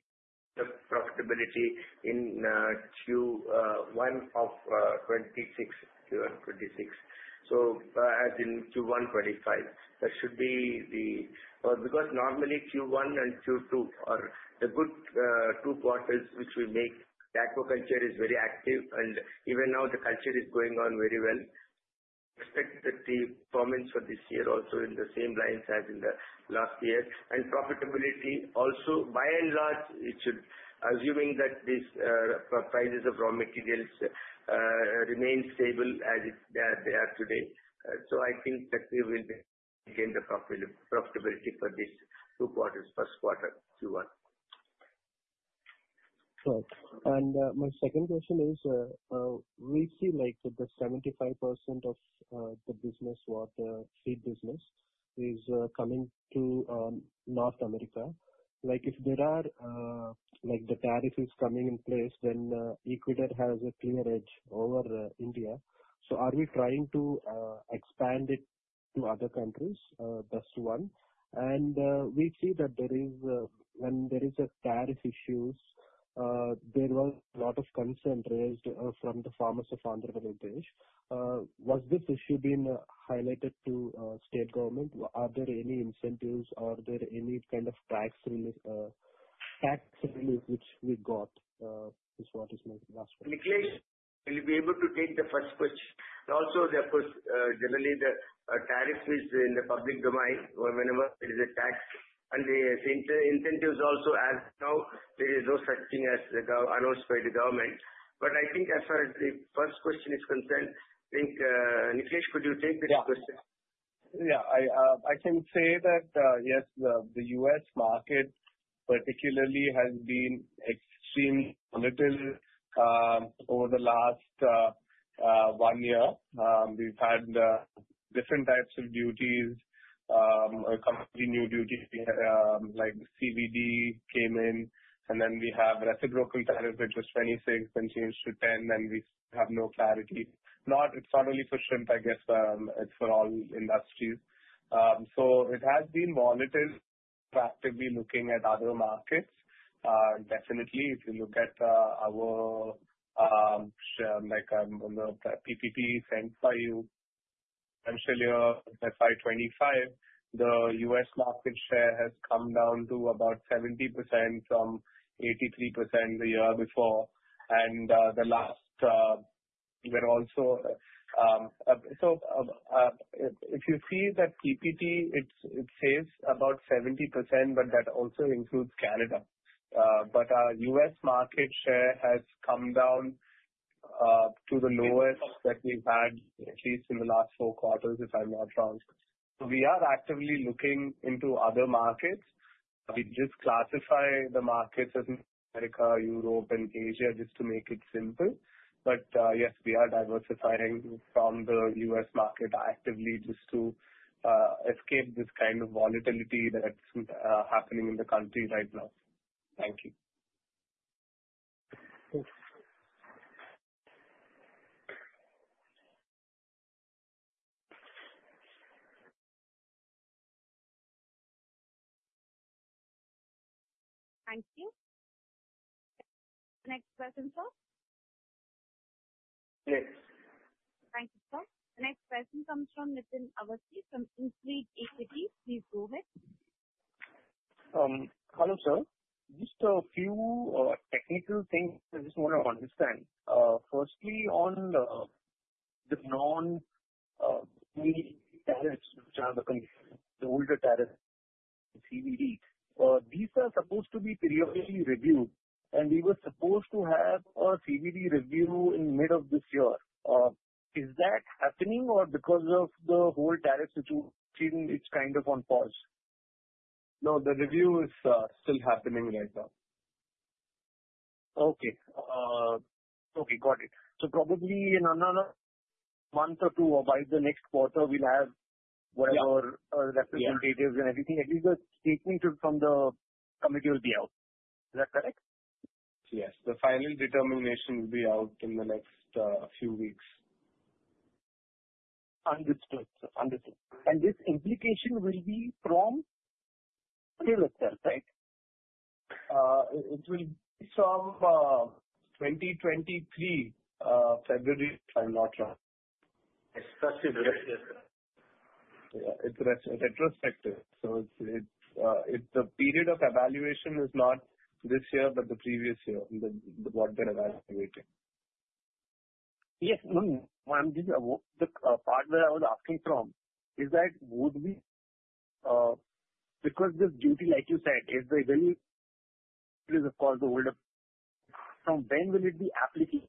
the profitability in Q1 of 2026, Q1 2026. So as in Q1 2025, that should be the because normally Q1 and Q2 are the good two quarters which we make. The aquaculture is very active, and even now the culture is going on very well. Expect that the performance for this year also in the same lines as in the last year. And profitability also, by and large, it should assuming that these prices of raw materials remain stable as they are today. So I think that we will gain the profitability for these two quarters, first quarter, Q1. Right. And my second question is, we see like the 75% of the business, aqua feed business, is coming to North America. Like if there are like the tariff is coming in place, then Ecuador has a clear edge over India. So are we trying to expand it to other countries? That's one. And we see that when there is a tariff issue, there was a lot of concern raised from the farmers of Andhra Pradesh. Was this issue being highlighted to state government? Are there any incentives? Are there any kind of tax relief which we got? This is what is my last question. Nikhilesh, will you be able to take the first question? Also, of course, generally, the tariff is in the public domain whenever there is a tax. And the incentives also, as of now, there is no such thing as announced by the government. But I think as far as the first question is concerned. I think Nikhilesh, could you take this question? Yeah. Yeah. I can say that, yes, the U.S. market particularly has been extremely volatile over the last one year. We've had different types of duties, continued duties, like CVD came in, and then we have reciprocal tariff, which was 26% and changed to 10%, and we have no clarity. It's not only for shrimp, I guess, it's for all industries. So it has been volatile. We're actively looking at other markets. Definitely, if you look at our PPP sent by you, potentially FY25, the U.S. market share has come down to about 70% from 83% the year before. If you see that PPP, it says about 70%, but that also includes Canada. But our U.S. market share has come down to the lowest that we've had, at least in the last four quarters, if I'm not wrong. So we are actively looking into other markets. We just classify the markets as America, Europe, and Asia just to make it simple. But yes, we are diversifying from the U.S. market actively just to escape this kind of volatility that's happening in the country right now. Thank you. Thank you. Next question, sir? Yes. Thank you, sir. The next question comes from Nitin Awasthi from InCred Equities. Please go ahead. Hello, sir. Just a few technical things I just want to understand. Firstly, on the non-CVD tariffs, which are the older tariffs, CVD, these are supposed to be periodically reviewed, and we were supposed to have a CVD review in mid of this year. Is that happening or because of the whole tariff situation, it's kind of on pause? No, the review is still happening right now. Okay. Okay. Got it. So probably in another month or two, or by the next quarter, we'll have whatever representatives and everything. At least the statement from the committee will be out. Is that correct? Yes. The final determination will be out in the next few weeks. Understood. Understood. And this implication will be from the U.S., right? It will be from 2023, February, if I'm not wrong. Yes. Yeah. It's retrospective. So the period of evaluation is not this year, but the previous year, what they're evaluating. Yes. The part where I was asking from is that would we because this duty, like you said, is the ADD, of course, the older. From when will it be applicable?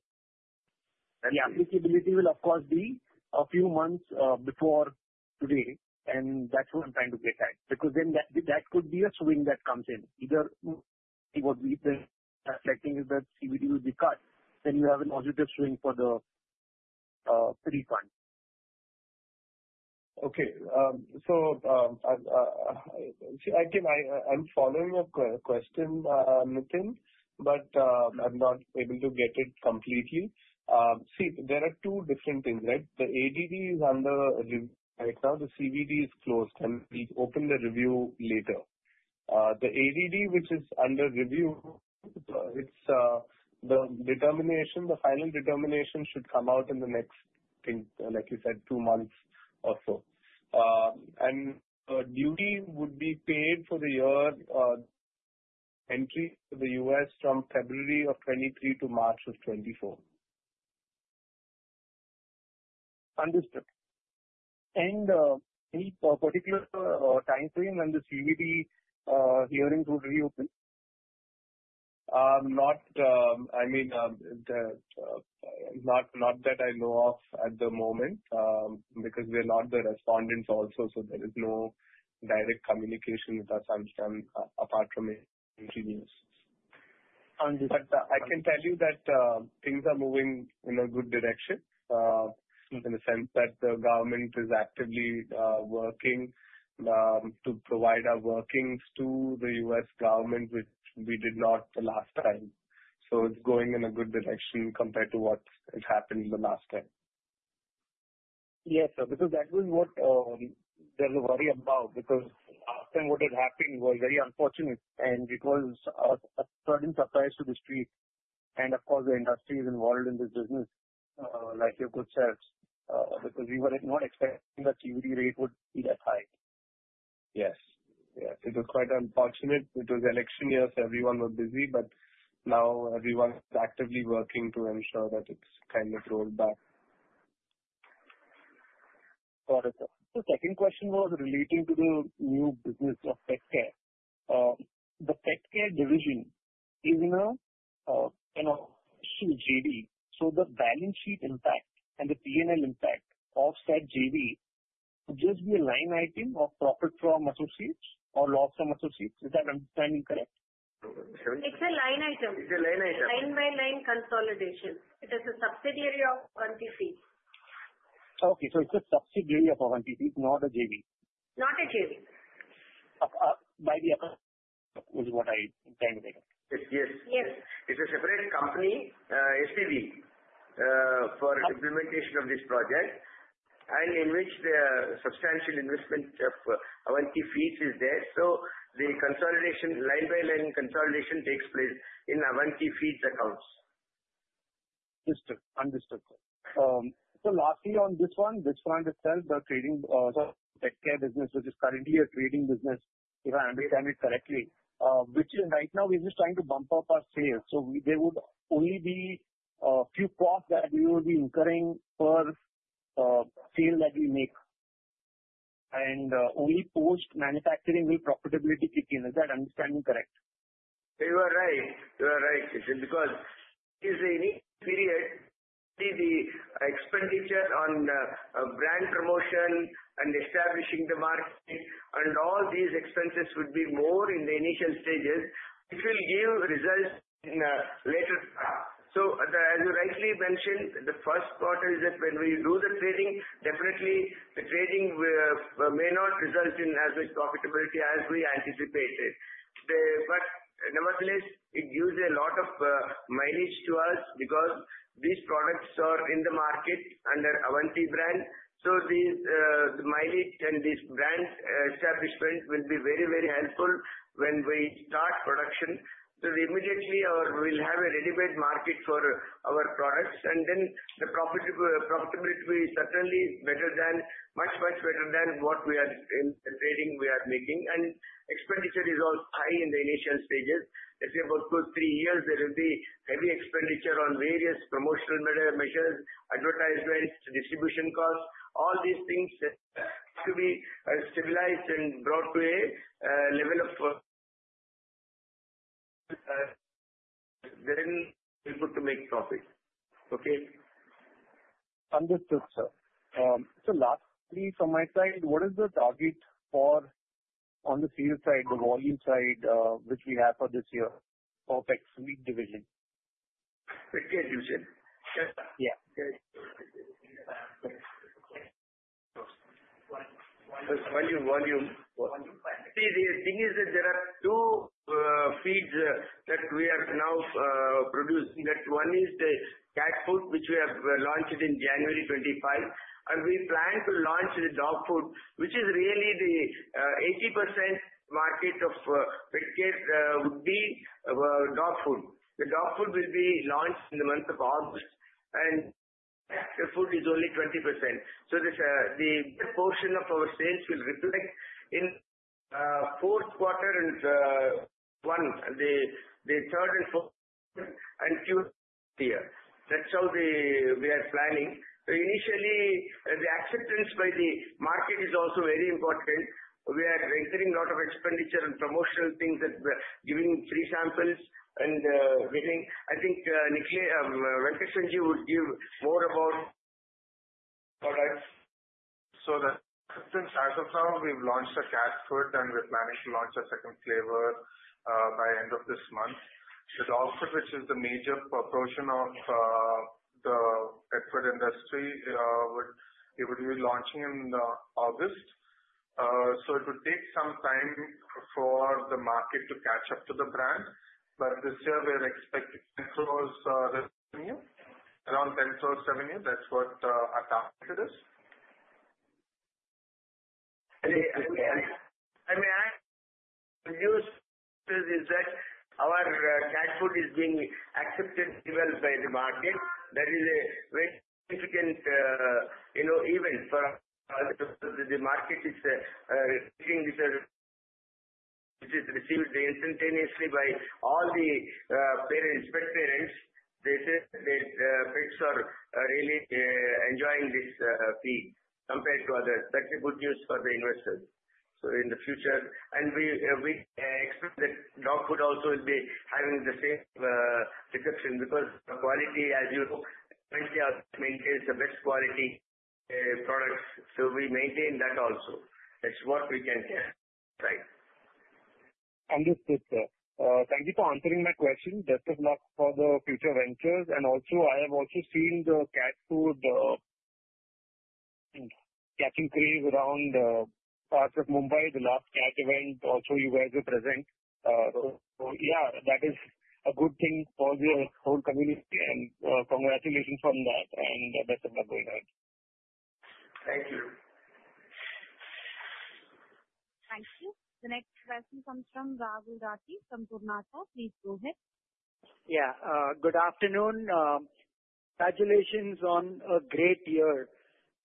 The applicability will, of course, be a few months before today. And that's what I'm trying to get at. Because then that could be a swing that comes in. Either what we're expecting is that CVD will be cut, then you have a positive swing for the refund. Okay. So again, I'm following your question, Nitin, but I'm not able to get it completely. See, there are two different things, right? The ADD is under review right now. The CVD is closed. And we've opened the review later. The ADD, which is under review, the final determination should come out in the next, like you said, two months or so. And duty would be paid for the year entry to the U.S. from February of 2023 to March of 2024. Understood. And any particular time frame when the CVD hearings would reopen? I mean, not that I know of at the moment because we're not the respondents also, so there is no direct communication with us apart from entry news, but I can tell you that things are moving in a good direction in the sense that the government is actively working to provide our workings to the U.S. government, which we did not the last time, so it's going in a good direction compared to what has happened the last time. Yes, sir. Because that was what there's a worry about because last time what had happened was very unfortunate and it was a sudden surprise to the street, and of course, the industry is involved in this business, like you could say, because we were not expecting that CVD rate would be that high. Yes. Yes. It was quite unfortunate. It was election year. So everyone was busy, but now everyone is actively working to ensure that it's kind of rolled back. Got it, sir. The second question was relating to the new business of Petcare. The Petcare division is in a kind of issue with JV. So the balance sheet impact and the P&L impact of said JV would just be a line item of profit from associates or loss from associates. Is that understanding correct? It's a line item. It's a line item. Line by line consolidation. It is a subsidiary of Avanti Feeds. Okay. So it's a subsidiary of Avanti Feeds, not a JV? Not a JV. By the. Is what I'm trying to get at. Yes. Yes. It's a separate company, SPV, for implementation of this project, and in which the substantial investment of Avanti Feeds is there, so the line-by-line consolidation takes place in Avanti Feeds' accounts. Understood. So lastly, on this one itself, the trading Petcare business, which is currently a trading business, if I understand it correctly, which right now we're just trying to bump up our sales. So there would only be a few costs that we will be incurring per sale that we make. And only post-manufacturing will profitability kick in. Is that understanding correct? You are right. You are right. Because if in any period, the expenditure on brand promotion and establishing the market and all these expenses would be more in the initial stages, it will give results in a later time. So as you rightly mentioned, the first quarter is that when we do the trading, definitely the trading may not result in as much profitability as we anticipated. But nevertheless, it gives a lot of mileage to us because these products are in the market under Avanti brand. So the mileage and this brand establishment will be very, very helpful when we start production. So immediately we'll have a ready-made market for our products, and then the profitability will be certainly better than much, much better than what we are trading we are making, and expenditure is also high in the initial stages. Let's say about two or three years, there will be heavy expenditure on various promotional measures, advertisements, distribution costs. All these things have to be stabilized and brought to a level of then we could make profit. Okay? Understood, sir. So lastly, from my side, what is the target for on the sales side, the volume side, which we have for this year for Petcare division? Okay. You said. Yeah. See, the thing is that there are two feeds that we are now producing. That one is the cat food, which we have launched in January 2025. And we plan to launch the dog food, which is really the 80% market of Petcare would be dog food. The dog food will be launched in the month of August. And the food is only 20%. So the portion of our sales will reflect in fourth quarter and one, the third and fourth quarter and Q3. That's how we are planning. Initially, the acceptance by the market is also very important. We are entering a lot of expenditure and promotional things that we're giving free samples and giving. I think Venkata Sanjeev would give more about products. So as of now, we've launched the cat food, and we're planning to launch a second flavor by end of this month. The dog food, which is the major portion of the pet food industry, it would be launching in August. So it would take some time for the market to catch up to the brand. But this year, we're expecting 10 crores revenue, around 10 crores revenue. That's what our target is. I mean, the news is that our cat food is being accepted well by the market. That is a very significant event for us because the market is receiving this as it is received instantaneously by all the pet parents. They said that pets are really enjoying this feed compared to others. That's a good news for the investors. So in the future, and we expect that dog food also will be having the same reception because of quality, as you know, maintain the best quality products. So we maintain that also. That's what we can say. Understood, sir. Thank you for answering my question. Just a plug for the future ventures. And also, I have also seen the cat food catching craze around parts of Mumbai, the last cat event. Also, you guys were present. So yeah, that is a good thing for the whole community. And congratulations for that. And best of luck going ahead. Thank you. Thank you. The next question comes from Rahul Rathi from Purnartha Investment Advisers. Please go ahead. Yeah. Good afternoon. Congratulations on a great year.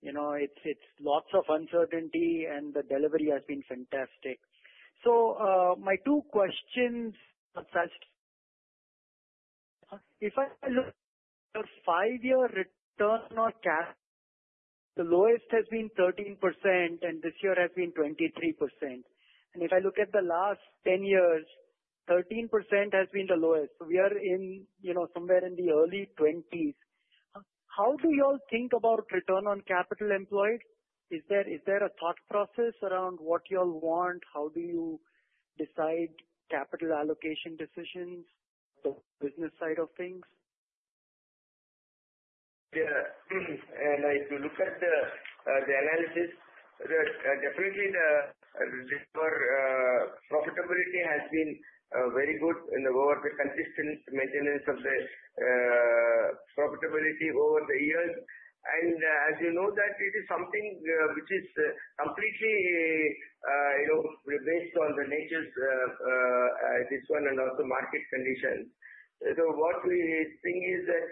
There's lots of uncertainty, and the delivery has been fantastic. So my two questions consist of: if I look at the five-year return on capital, the lowest has been 13%, and this year has been 23%. And if I look at the last 10 years, 13% has been the lowest. So we are somewhere in the early 20s. How do you all think about return on capital employed? Is there a thought process around what you all want? How do you decide capital allocation decisions? The business side of things? Yeah. And if you look at the analysis, definitely the profitability has been very good in the consistent maintenance of the profitability over the years. And as you know, that it is something which is completely based on the nature of this one and also market conditions. So what we think is that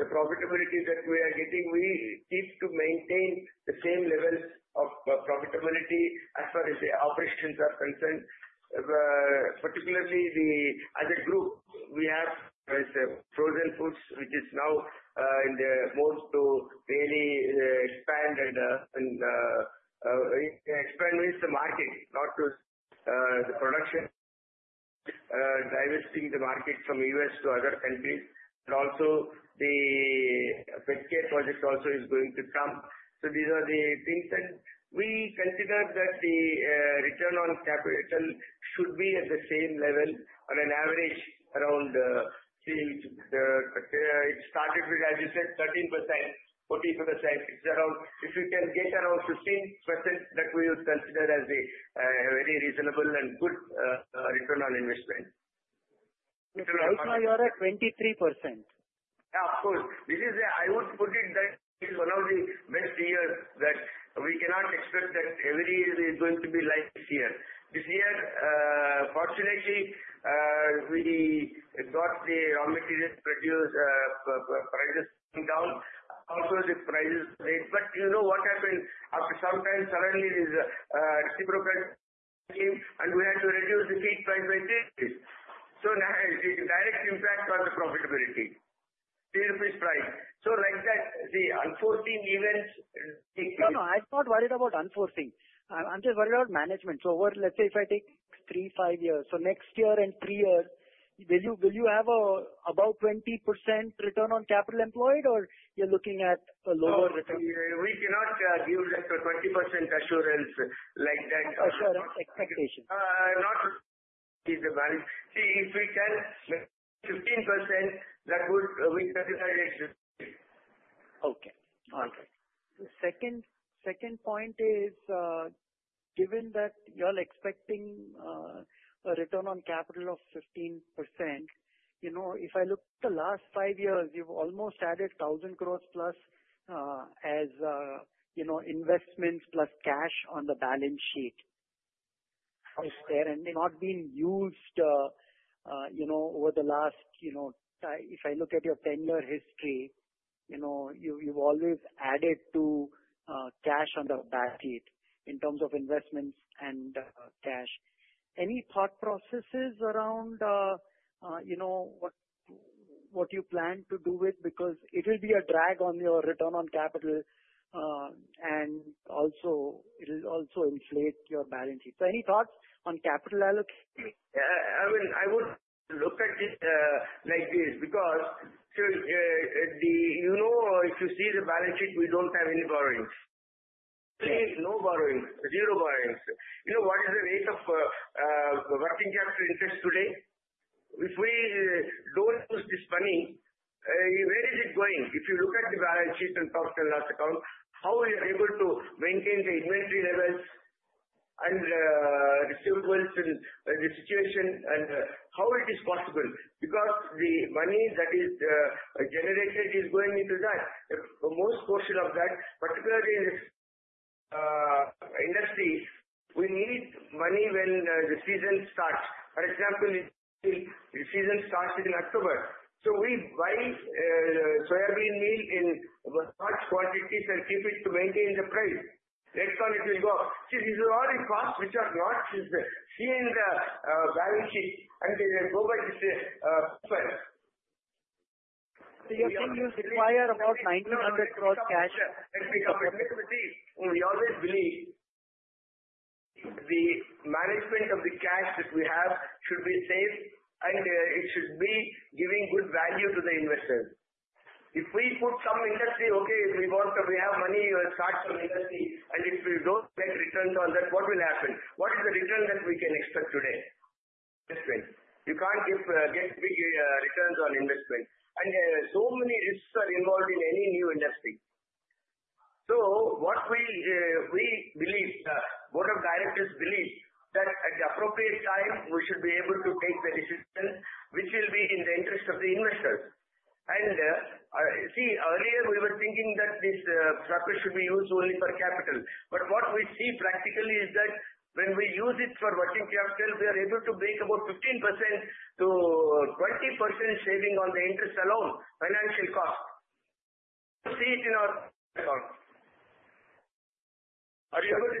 the profitability that we are getting, we keep to maintain the same levels of profitability as far as the operations are concerned. Particularly, as a group, we have frozen foods, which is now in the mode to really expand. And expand means the market, not the production, diversifying the market from the U.S. to other countries. And also, the Petcare project also is going to come. So these are the things. And we consider that the return on capital should be at the same level on an average around. It started with, as you said, 13%-14%. It's around if you can get around 15%, that we would consider as a very reasonable and good return on investment. So right now, you are at 23%. Yeah, of course. I would put it that it's one of the best years that we cannot expect that every year is going to be like this year. This year, fortunately, we got the raw materials prices down. Also, the prices were late. But you know what happened? After some time, suddenly this reciprocal came, and we had to reduce the feed price by 10%. So now, it's a direct impact on the profitability. INR 10 price. So like that, the unforeseen events take place. No, no. I'm not worried about unforeseen. I'm just worried about management. So let's say if I take three, five years, so next year and three years, will you have about 20% return on capital employed, or you're looking at a lower return? We cannot give that 20% assurance like that. Assurance expectation. See, if we can make 15%, that would be satisfied. Okay. All right. The second point is, given that you're expecting a return on capital of 15%, if I look at the last five years, you've almost added 1,000 crores plus as investments plus cash on the balance sheet. It's there and not being used over the last if I look at your 10-year history, you've always added to cash on the balance sheet in terms of investments and cash. Any thought processes around what you plan to do with it? Because it will be a drag on your return on capital, and it will also inflate your balance sheet. So any thoughts on capital allocation? I would look at it like this because you know if you see the balance sheet, we don't have any borrowings. No borrowings, zero borrowings. What is the rate of working capital interest today? If we don't use this money, where is it going? If you look at the balance sheet and profit and loss account, how are we able to maintain the inventory levels and the situation and how it is possible? Because the money that is generated is going into that. The most portion of that, particularly in this industry, we need money when the season starts. For example, the season starts in October. So we buy soybean meal in large quantities and keep it to maintain the price. Next time, it will go. See, these are all the costs which are not seen in the balance sheet, and they go by this paper. So you say you require about 1,900 crores cash? We always believe the management of the cash that we have should be safe, and it should be giving good value to the investors. If we put some industry, we have money to start some industry, and if we don't get returns on that, what will happen? What is the return that we can expect today? Investment. You can't get big returns on investment, and so many risks are involved in any new industry. So we believe the board of directors believe that at the appropriate time, we should be able to take the decision which will be in the interest of the investors. And see, earlier, we were thinking that this purpose should be used only for capital. But what we see practically is that when we use it for working capital, we are able to make about 15%-20% saving on the interest alone, financial cost. You see it in our account. Are you able to?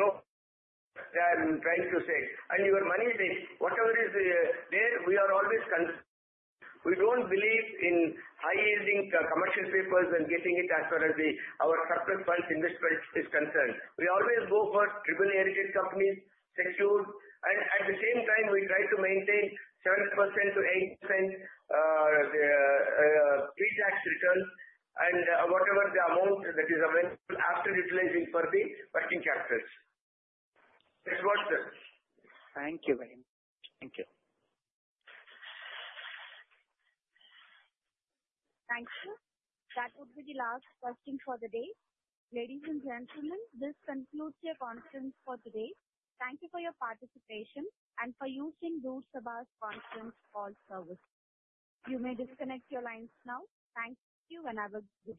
No. I'm trying to say. And your money is whatever is there, we are always concerned. We don't believe in high-yielding commercial papers and getting it as far as our corporate funds investment is concerned. We always go for triple-A rated companies, secured. And at the same time, we try to maintain 7%-8% pre-tax return and whatever the amount that is available after utilizing for the working capital. That's what the. Thank you very much. Thank you. Thank you. That would be the last question for the day. Ladies and gentlemen, this concludes the conference for today. Thank you for your participation and for using Door Sabha's conference call service. You may disconnect your lines now. Thank you, and have a good day.